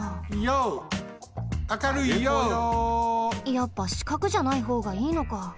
やっぱしかくじゃないほうがいいのか。